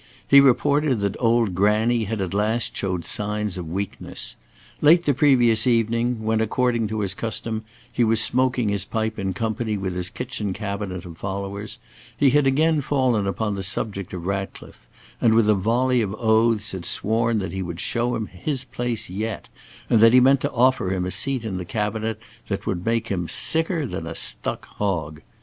He reported that "Old Granny" had at last shown signs of weakness. Late the previous evening when, according to his custom, he was smoking his pipe in company with his kitchen cabinet of followers, he had again fallen upon the subject of Ratcliffe, and with a volley of oaths had sworn that he would show him his place yet, and that he meant to offer him a seat in the Cabinet that would make him "sicker than a stuck hog."